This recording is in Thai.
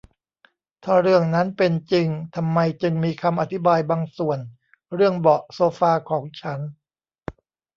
ถ้าเรื่องนั้นเป็นจริง ทำไมจึงมีคำอธิบายบางส่วนเรื่องเบาะโซฟาของฉัน